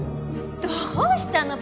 どうしたの？